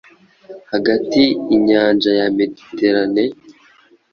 hagati inyanja ya Mediterane,